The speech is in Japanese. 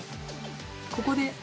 ここで。